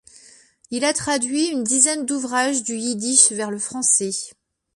Il a traduit une dizaine d'ouvrages du yiddish vers le français.